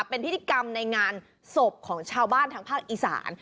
เป็นพิธีกรรมในงานศพของชาวบ้านทางภาคอีสาน